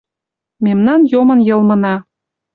Мемнан йомын йылмына;